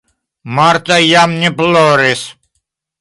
Marta jam ne ploris.